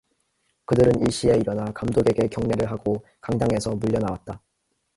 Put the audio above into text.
그들은 일시에 일어나 감독에게 경례를 하고 강당에서 몰려나왔다.